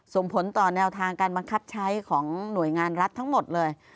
ส่งผลต่อแนวทางการบังคับใช้ของหน่วยงานรัฐทั้งหมดเลย